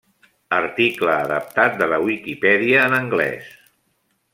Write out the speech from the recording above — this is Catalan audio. Article adaptat de la Wikipedia en anglès.